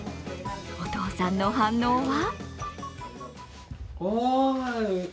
お父さんの反応は？